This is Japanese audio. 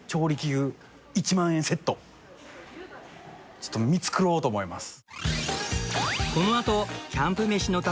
ちょっと見繕おうと思います。